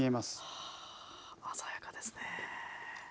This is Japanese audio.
はぁ鮮やかですね。